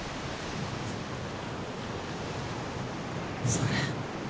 それ。